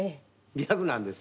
ギャグなんです。